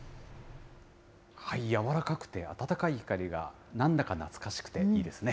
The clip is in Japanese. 柔らかくて温かい光が、なんだか懐かしくていいですね。